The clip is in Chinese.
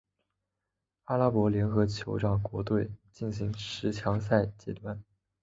阿拉伯联合酋长国队进入十强赛阶段。